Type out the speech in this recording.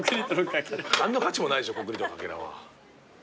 何の価値もないでしょコンクリートのかけらは。